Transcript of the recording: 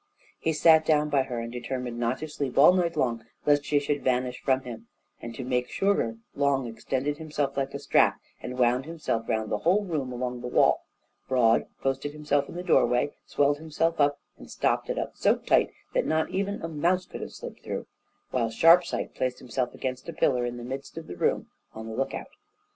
He sat down by her, and determined not to sleep all night long lest she should vanish from him, and, to make surer, Long extended himself like a strap, and wound himself round the whole room along the wall; Broad posted himself in the doorway, swelled himself up, and stopped it up so tight that not even a mouse could have slipped through; while Sharpsight placed himself against a pillar in the midst of the room on the look out.